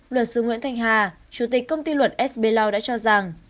luật sư nguyễn thanh hà chủ tịch công ty luật s b lau đã cho rằng